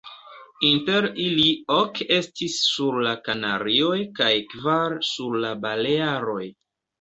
Inter ili ok estis sur la Kanarioj kaj kvar sur la Balearoj.